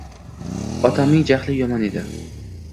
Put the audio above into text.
Otamning jahli yomon edi.